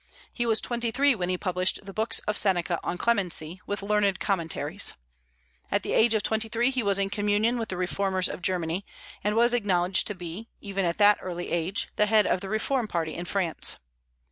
He was twenty three when he published the books of Seneca on Clemency, with learned commentaries. At the age of twenty three he was in communion with the reformers of Germany, and was acknowledged to be, even at that early age, the head of the reform party in France.